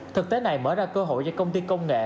thực tế này mở ra cơ hội cho công ty công nghệ